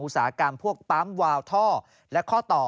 สาหกรรมพวกปั๊มวาวท่อและข้อต่อ